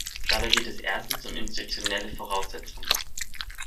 Dabei geht es erstens um institutionelle Voraussetzungen.